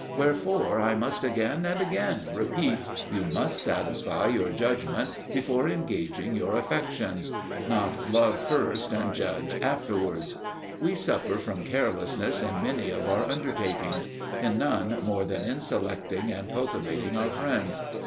Wherefore, I must again and again repeat, you must satisfy your judgment before engaging your affections: not love first and judge afterwards. We suffer from carelessness in many of our undertakings: in none more than in selecting and cultivating our friends.